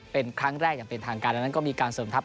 เป็นครั้งแรกเป็นทางการแล้วนั้นก็มีการเสริมทัพเป็นธรรมดา